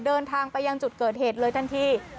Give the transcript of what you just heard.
เดินทางไปยังจุดเกิดเหตุเลยทันที